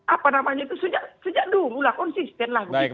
apa namanya itu sejak dulu mulai konsisten lah begitu